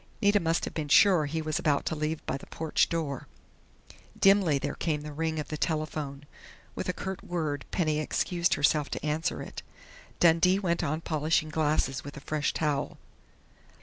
Nita must have been sure he was about to leave by the porch door " Dimly there came the ring of the telephone. With a curt word, Penny excused herself to answer it. Dundee went on polishing glasses with a fresh towel....